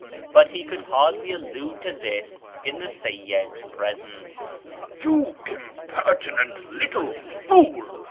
But he could hardly allude to this in the Seyyid's presence. " You impertinent little fool